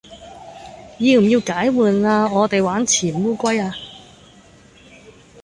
要唔要解悶啊我哋玩潛烏龜呀